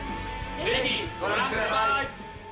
ぜひご覧ください。